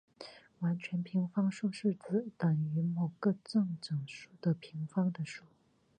完全平方数是指等于某个正整数的平方的数。